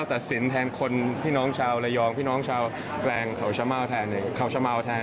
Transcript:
ถัดสินแทนคนพี่น้องชาวเรียอกลางเขาชาเมาแทน